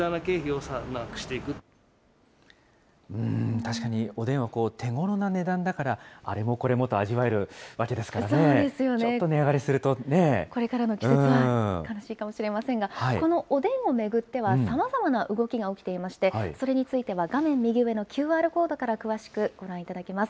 確かに、おでんは手ごろな値段だからあれもこれもと味わえるわけですからこれからの季節は悲しいかもしれませんが、このおでんを巡っては、さまざまな動きが起きていまして、それについては画面右上のＱＲコードから詳しくご覧いただけます。